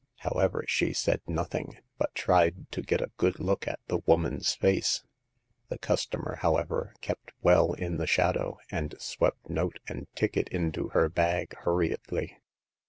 However, she said nothing, but tried to get a good look at the woman's face. The customer; however, kept well in the shadow, and The Second Customer. 65 swept note and ticket into her bag hurriedly.